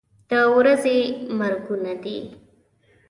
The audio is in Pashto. د ورځې مرګونه دي.